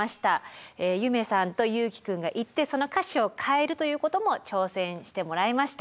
夢さんと優樹くんが行ってその歌詞を変えるということも挑戦してもらいました。